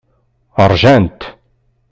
Ṛjant.